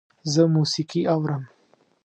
زه موسیقي اورم